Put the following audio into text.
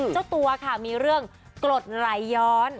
เจ้าตัวค่ะมีเรื่องกรดไหลย้อน